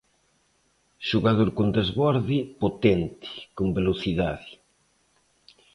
Xogador con desborde, potente, con velocidade.